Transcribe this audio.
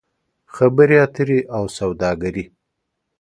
خبرې اترې او سوداګري